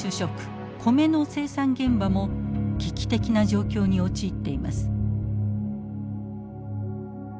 現場も危機的な状況に陥っています。